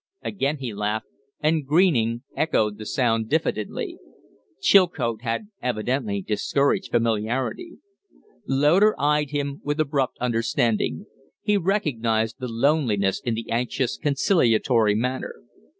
Again he laughed, and Greening echoed the sound diffidently. Chilcote had evidently discouraged familiarity. Loder eyed him with abrupt understanding. He recognized the loneliness in the anxious, conciliatory manner.